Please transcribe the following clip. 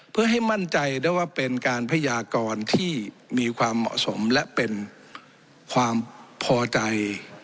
เพื่อให้มั่นใจได้ว่าเป็นการพยากรที่มีความเหมาะสมและเป็นความพอใจ